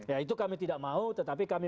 ya itu kami tidak mau tetapi kami